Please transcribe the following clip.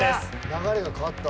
流れが変わった。